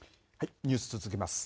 ニュースを続けます。